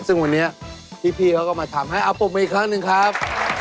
ซึ่งวันนี้พี่เขาก็มาทำให้เอาผมไปอีกครั้งหนึ่งครับ